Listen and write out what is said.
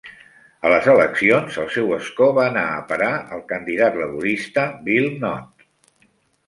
A les eleccions, el seu escó va anar a parar al candidat laborista, Bill Knott.